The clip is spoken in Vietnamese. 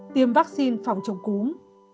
tiêm vaccine phòng chống cúm